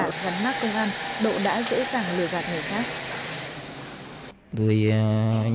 gắn mát công an độ đã dễ dàng lừa gạt người khác